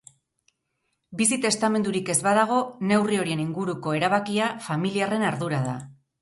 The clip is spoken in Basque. Bizi testamendurik ez badago, neurri horien inguruko erabakia familiarren ardura da.